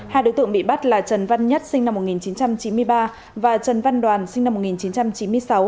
hai đối tượng bị bắt là trần văn nhất sinh năm một nghìn chín trăm chín mươi ba và trần văn đoàn sinh năm một nghìn chín trăm chín mươi sáu